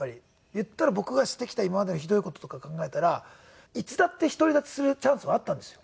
言ったら僕がしてきた今までのひどい事とか考えたらいつだって独り立ちするチャンスはあったんですよ。